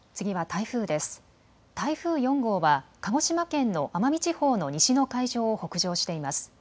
台風４号は鹿児島県の奄美地方の西の海上を北上しています。